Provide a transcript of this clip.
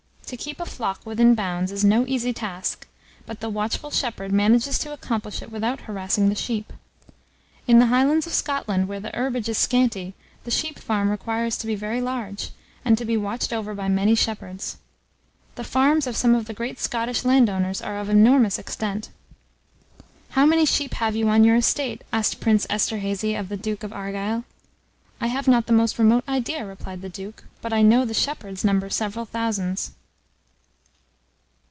To keep a flock within bounds, is no easy task; but the watchful shepherd manages to accomplish it without harassing the sheep. In the Highlands of Scotland, where the herbage is scanty, the sheep farm requires to be very large, and to be watched over by many shepherds. The farms of some of the great Scottish landowners are of enormous extent. "How many sheep have you on your estate?" asked Prince Esterhazy of the duke of Argyll. "I have not the most remote idea," replied the duke; "but I know the shepherds number several thousands."